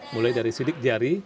mulai dari sidik jari